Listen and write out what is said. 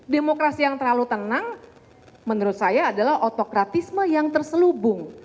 demokrasi yang terlalu tenang menurut saya adalah otokratisme yang terselubung